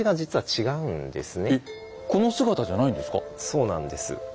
そうなんです。